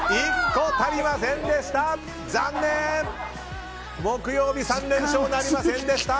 １個足りませんでした。